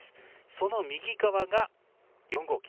その右側が４号機。